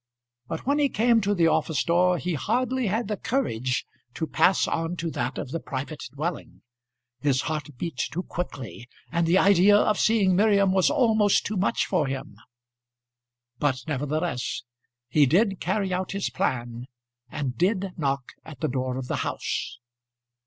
But when he came to the office door he hardly had the courage to pass on to that of the private dwelling. His heart beat too quickly, and the idea of seeing Miriam was almost too much for him. But, nevertheless, he did carry out his plan, and did knock at the door of the house.